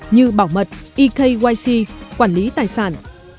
như bảo mật ekyc quản lý tài sản